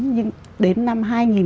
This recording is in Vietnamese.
nhưng đến năm hai nghìn một mươi chín